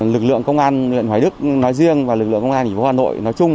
lực lượng công an huyện hoài đức nói riêng và lực lượng công an huyện hoà nội nói chung